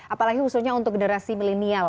apalagi khususnya untuk generasi milenial